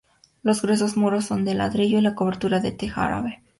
Los gruesos muros son de ladrillo, y la cobertura de teja árabe.